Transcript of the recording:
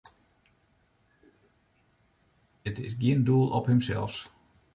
It is gjin doel op himsels.